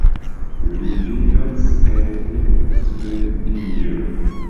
Li vivas en Svedio.